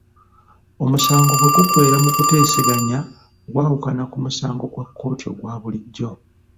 Omusango bwe guggweera mu kuteesaganya gwawukana ku musango gwa kkooti ogwa bulijjo.